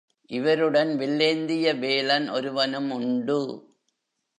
இவருடன் வில்லேந்திய வேலன் ஒருவனும் உண்டு.